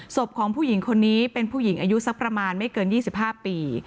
ศพของผู้หญิงคนนี้เป็นผู้หญิงอายุสักประมาณไม่เกิน๒๕ปี